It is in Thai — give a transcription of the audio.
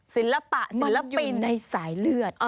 ศิลปะศิลปินท์มันอยู่ในสายเลือด